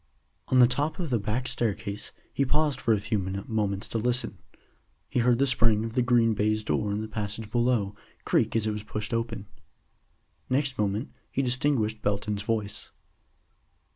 On the top of the back staircase he paused for a few moments to listen. He heard the spring of the green baize door in the passage below creak as it was pushed open. Next moment he distinguished Belton's voice.